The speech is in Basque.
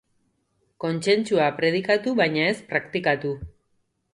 Kontsentsua predikatu baina ez praktikatu.